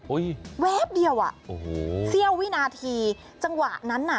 อุ๊ยแวบเดียวน่ะเสี้ยววินาทีจังหวะนั้นน่ะ